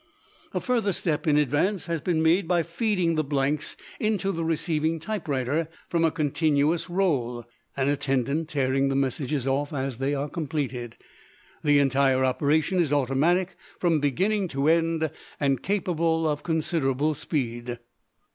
A further step in advance has been made by feeding the blanks into the receiving typewriter from a continuous roll, an attendant tearing the messages off as they are completed. The entire operation is automatic from beginning to end and capable of considerable speed.